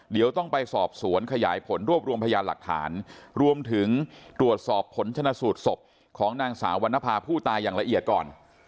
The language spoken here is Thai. เดี๋ยวต้องไปสอบสวนขยายผลรวบรวมพยานหลักฐานรวมถึงตรวจสอบผลชนะสูตรศพของนางสาววรรณภาผู้ตายอย่างละเอียดก่อน